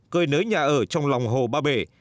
cơi nới nhà ở trong lòng hồ ba bể